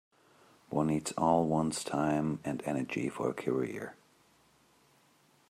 One needs all one's time and energy for a career.